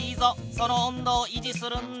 その温度をいじするんだ。